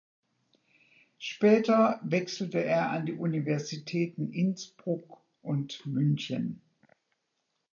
Später wechselte er an die Universitäten Innsbruck und München.